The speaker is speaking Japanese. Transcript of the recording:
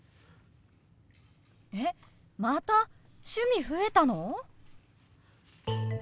えっまた趣味増えたの！？